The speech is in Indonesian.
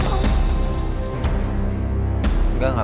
masih gak mau makan